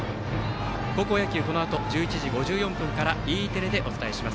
高校野球中継はこのあと１１時５４分からＥテレでお伝えします。